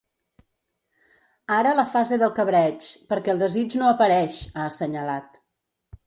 Ara la fase del cabreig, perquè el desig no apareix, ha assenyalat.